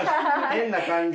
変な感じ。